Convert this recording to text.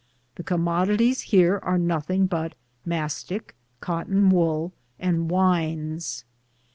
The commodities heare ar nothinge but masticke, cotten woll, and wynes.